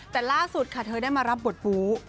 แต่ล่าสุดค่ะเธอได้มารับบทบู๊